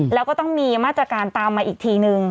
แล้วก็ต้องมีมาตรการตามมาอีกทีนึง